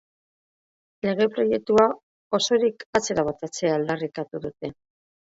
Lege-proiektua osorik atzera botatzea aldarrikatu dute.